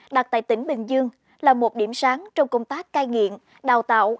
đặt tại tỉnh bình dương là một điểm sáng trong công tác cai nghiện đào tạo